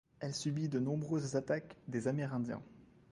Elle subit de nombreuses attaques des Amérindiens.